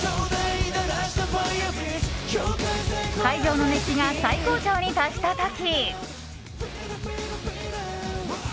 会場の熱気が最高潮に達した時。